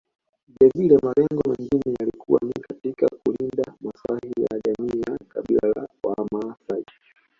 Vilevile malengo mengine yalikuwa ni katika kulinda maslahi ya jamii ya kabila la wamaasai